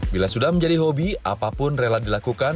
bila sudah menjadi hobi apapun rela dilakukan